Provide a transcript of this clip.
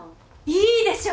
いいでしょ？